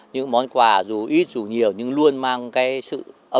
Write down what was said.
những món quà dù ít dù nhiều nhưng luôn mang cái sự ấm